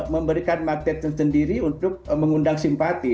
memberikan maksatnya sendiri untuk mengundang simpati